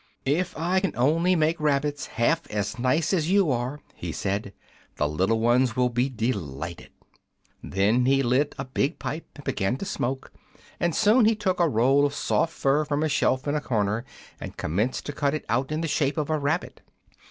"'If I can only make rabbits half as nice as you are,' he said, 'the little ones will be delighted.' Then he lit a big pipe and began to smoke, and soon he took a roll of soft fur from a shelf in a corner and commenced to cut it out in the shape of a rabbit.